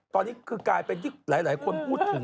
ตอนนี้คือกลายเป็นที่หลายคนพูดถึง